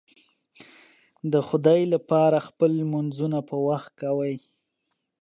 د خدای لپاره خپل لمونځونه پر وخت کوئ